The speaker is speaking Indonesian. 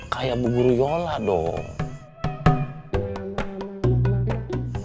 kayak bu guru yola dong